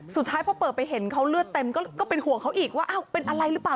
สุดท้ายพอเปิดไปเห็นเขาเลือดเต็มก็เป็นห่วงเขาอีกว่าอ้าวเป็นอะไรหรือเปล่า